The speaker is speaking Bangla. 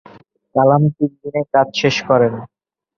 কালাম তিন দিনেই কাজ শেষ করেন।